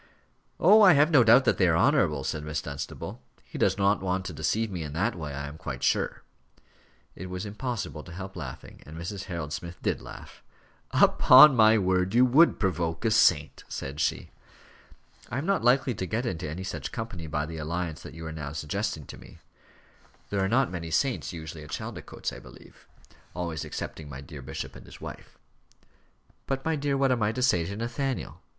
"Oh! I have no doubt that they are honourable," said Miss Dunstable. "He does not want to deceive me in that way, I am quite sure." It was impossible to help laughing, and Mrs. Harold Smith did laugh. "Upon my word, you would provoke a saint," said she. "I am not likely to get into any such company by the alliance that you are now suggesting to me. There are not many saints usually at Chaldicotes, I believe; always excepting my dear bishop and his wife." "But, my dear, what am I to say to Nathaniel?"